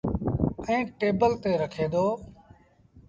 ائيٚݩ ٽيبل تي رکي دو۔